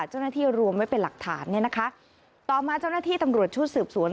เจ้าหน้าที่รวมไว้เป็นหลักฐานเนี่ยนะคะต่อมาเจ้าหน้าที่ตำรวจชุดสืบสวน